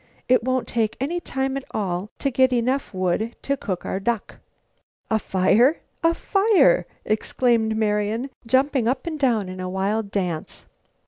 It won't take any time at all to get enough wood to cook our duck!" "A fire! A fire!" exclaimed Marian, jumping up and down in a wild dance.